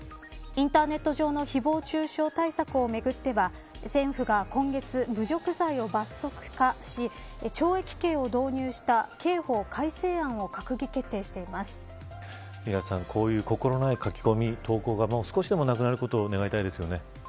インターネット上のひぼう中傷対策をめぐっては政府が今月侮辱罪を罰則化し懲役刑を導入した刑法改正案をこういう心ない書き込み投稿が少しでもなくなることを願いたいですね。